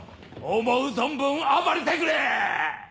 思う存分暴れてくれ！